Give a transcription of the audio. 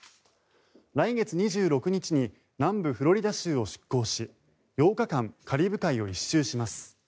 来月２６日に南部フロリダ州を出航し８日間、カリブ海を１周します。